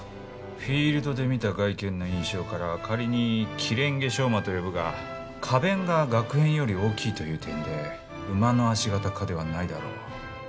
フィールドで見た外見の印象から仮にキレンゲショウマと呼ぶが花弁ががく片より大きいという点で毛科ではないだろう。